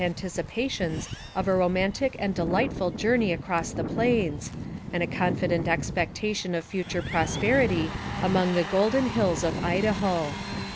13 anticipations of a romantic and delightful journey across the plains, and a confident expectation of future prosperity among the golden hills of Idaho.